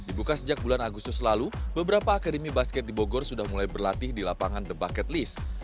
dibuka sejak bulan agustus lalu beberapa akademi basket di bogor sudah mulai berlatih di lapangan the bucket list